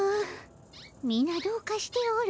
みなどうかしておる。